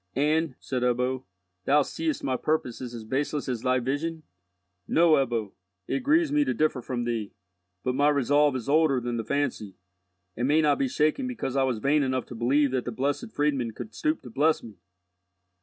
"And," said Ebbo, "thou seest thy purpose is as baseless as thy vision?" "No, Ebbo. It grieves me to differ from thee, but my resolve is older than the fancy, and may not be shaken because I was vain enough to believe that the Blessed Friedmund could stoop to bless me."